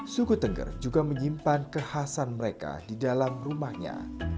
suku tengger juga menyimpan kekhasan mereka di dalam rumahnya